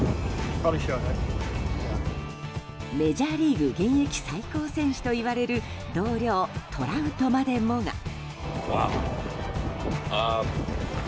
メジャーリーグ現役最高選手といわれる同僚、トラウトまでもが。